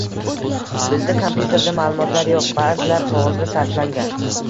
Bizda kompyuterda maʼlumotlar yoʻq, baʼzilari qogʻozga sarflangan.